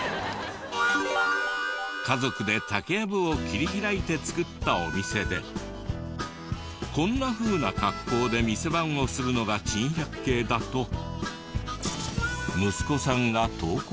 家族で竹藪を切り開いてつくったお店でこんなふうな格好で店番をするのが珍百景だと。